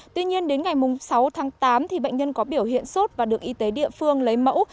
tuy nhiên đến ngày sáu tháng tám bệnh nhân có biểu hiện sốt và được y tế địa phương lấy mẫu